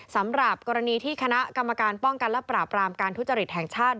สำหรับกรณีที่คณะกรรมการป้องกันและปราบรามการทุจริตแห่งชาติ